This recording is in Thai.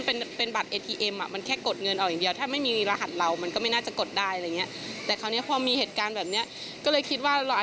เพราะเราคิดว่าไอ้บัตรเ